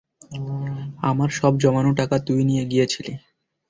আমার সব জমানো টাকা তুই নিয়ে গিয়েছিলি।